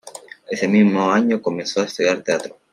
Ese mismo año comenzó a estudiar teatro.